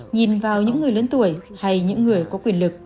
nhìn vào những người lớn tuổi hay những người có quyền lực